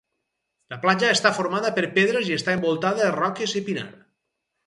La platja està formada per pedres i està envoltada de roques i pinar.